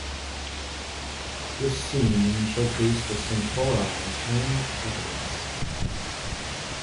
This scene showcased the Centauris' own decadence.